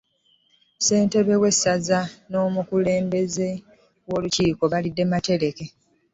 Ssentebe w'essaza n'omukubiriza w'olukiiko balidde matereke.